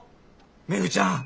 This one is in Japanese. めぐちゃん